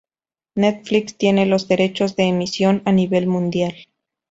Netflix tiene los derechos de emisión a nivel mundial.